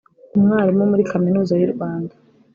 umwarimu muri kaminuza y’u Rwanda